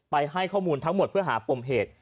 ให้ข้อมูลทั้งหมดเพื่อหาปมเหตุ